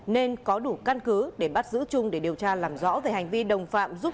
nên có đủ căn cứ để bắt giữ trung để điều tra làm rõ về hành vi đồng phạm giúp